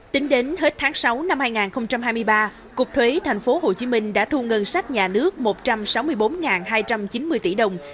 tính đến hết tháng sáu năm hai nghìn hai mươi ba cục thuế thành phố hồ chí minh đã thu ngân sách nhà nước một trăm sáu mươi bốn hai trăm chín mươi tỷ đồng